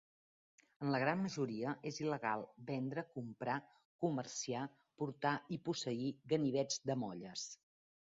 En la gran majoria, és il·legal vendre, comprar, comerciar, portar i posseir ganivets de molles.